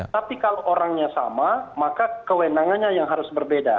tapi kalau orangnya sama maka kewenangannya yang harus berbeda